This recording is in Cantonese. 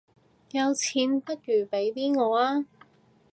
有錢不如俾啲我吖